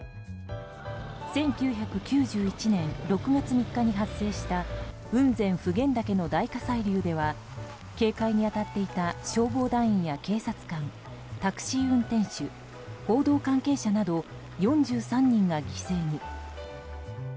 １９９１年６月３日に発生した雲仙・普賢岳の大火砕流では警戒に当たっていた消防団員や警察官タクシー運転手、報道関係者など４３人が犠牲に。